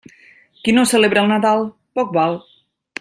Qui no celebra el Nadal, poc val.